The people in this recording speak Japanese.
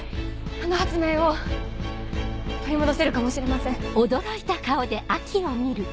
あの発明を取り戻せるかもしれません。